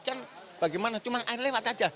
kan bagaimana cuman air lewat aja